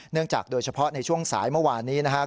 จากโดยเฉพาะในช่วงสายเมื่อวานนี้นะครับ